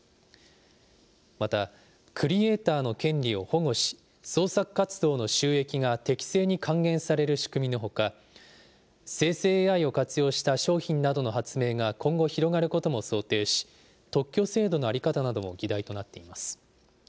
またクリエーターの権利を保護し、創作活動の収益が適正に還元される仕組みのほか、生成ＡＩを活用した商品などの発明が今後広がることも想定し、特許制度の在り方なども議題となっています。